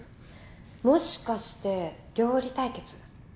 もしかして料理対決？